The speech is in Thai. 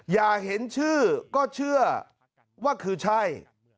อย่าเห็นชื่อก็เชื่อว่าคือใช่